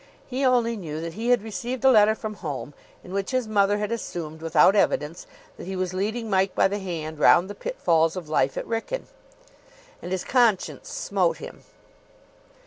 He only knew that he had received a letter from home, in which his mother had assumed without evidence that he was leading Mike by the hand round the pitfalls of life at Wrykyn; and his conscience smote him.